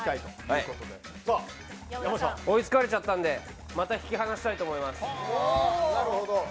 追い付かれちゃったのでまた引き離したいと思います。